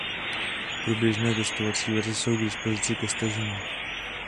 Průběžné testovací verze jsou k dispozici ke stažení.